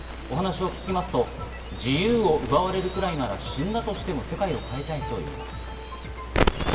お話を聞くと、自由を奪われるくらいなら、死んだとしても世界を変えたいと言います。